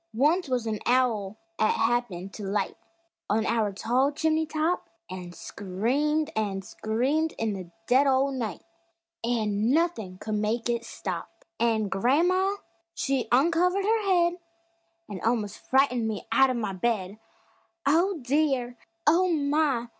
Once wuz a owl 'at happened to light On our tall chimney top, An' screamed an' screamed in the dead o' night, An' nuthin' could make it stop! An' gran'ma she uncovered her head An' almos' frightened me out of the bed; "Oh, dear; Oh, my!